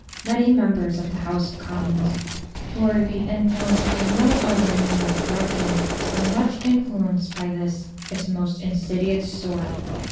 Many members of the House of Commons, who are to be influenced by no other manner of corruption, are much influenced by this its most insidious sort.